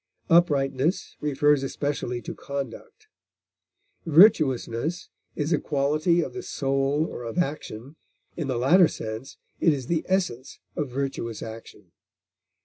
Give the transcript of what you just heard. Uprightness refers especially to conduct. Virtuousness is a quality of the soul or of action; in the latter sense it is the essence of virtuous action.